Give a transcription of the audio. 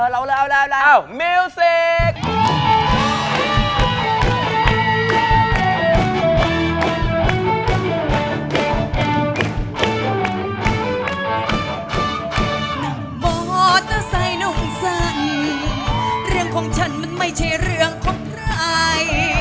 เรื่องของฉันมันไม่ใช่เรื่องของใคร